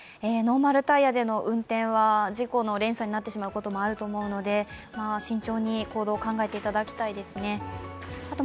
ノーマルタイヤでの運転は事故の連鎖になってしまうこともあるので慎重に行動を考えていただきたいですね。